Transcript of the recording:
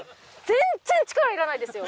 全然力いらないですよ。